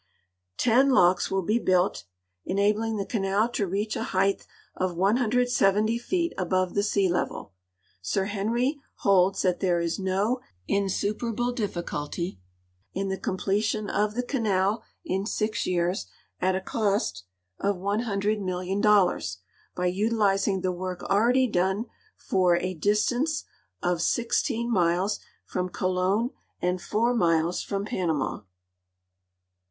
Ten locks will be built, en abling the canal to reach a height of 170 feet above the sea level. Sir Henry bolds that there is no insiijauable didiculty in the compUdion of the canal in six years, at a cost of .filOO, 000,000, by utilizing the w<wk already done for a distance of sixteen ndles from C<don ami four miles from Panama."